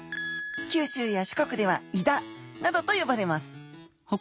九州や四国では「いだ」などと呼ばれます。